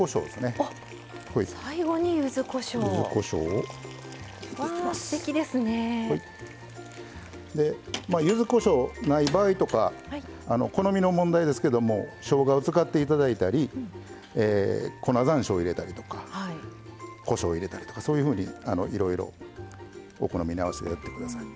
わあすてきですね。ゆずこしょうない場合とか好みの問題ですけどもしょうがを使っていただいたり粉ざんしょうを入れたりとかこしょう入れたりとかそういうふうにいろいろお好みに合わせてやってください。